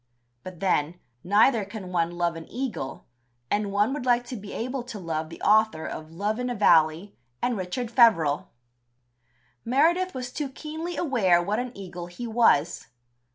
But then, neither can one love an eagle, and one would like to be able to love the author of Love in a Valley and Richard Feverel. Meredith was too keenly aware what an eagle he was.